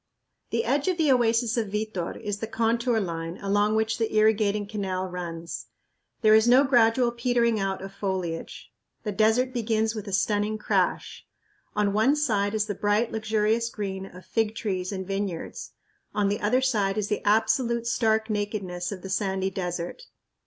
The edge of the oasis of Vitor is the contour line along which the irrigating canal runs. There is no gradual petering out of foliage. The desert begins with a stunning crash. On one side is the bright, luxurious green of fig trees and vineyards; on the other side is the absolute stark nakedness of the sandy desert.